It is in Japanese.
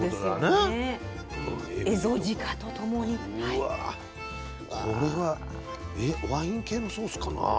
うわこれはワイン系のソースかな？